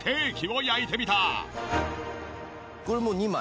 これもう２枚？